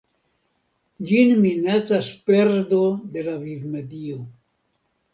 Ĝin minacas perdo de la vivmedio.